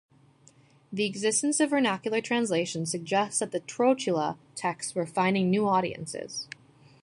The existence of vernacular translations suggests that the "Trotula" texts were finding new audiences.